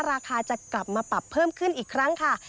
ราคาจะกลับมาปรับเพิ่มขึ้นอีกครั้งค่ะ